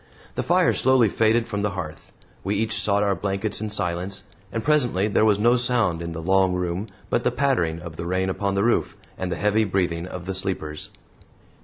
The fire slowly faded from the hearth; we each sought our blankets in silence; and presently there was no sound in the long room but the pattering of the rain upon the roof and the heavy breathing of the sleepers.